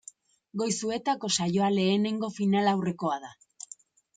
Goizuetako saioa lehenengo finalaurrekoa da.